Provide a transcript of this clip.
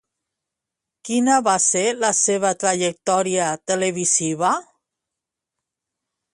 Quina va ser la seva trajectòria televisiva?